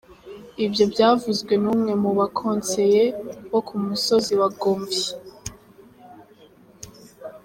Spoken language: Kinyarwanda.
Ibyo byavuzwe n’umwe mu ba konseye bo ku musozi wa Gomvyi.